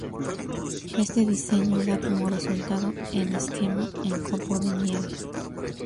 Este diseño da como resultado en esquema en copo de nieve.